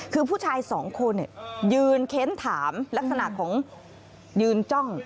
คือผู้ชายสองคนยืนเค้นถามลักษณะของยืนจ้อง